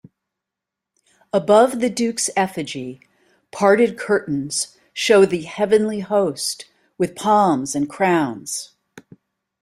Above the Duke's effigy, parted curtains show the heavenly host with palms and crowns.